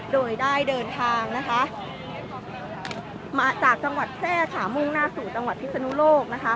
โดยได้เดินทางนะคะมาจากตำวัดแส่ขามุ่งหน้าสู่ตำวัดพิษนุโลกนะคะ